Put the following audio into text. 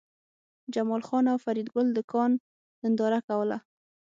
جمال خان او فریدګل د کان ننداره کوله